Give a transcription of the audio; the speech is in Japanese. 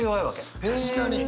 確かに。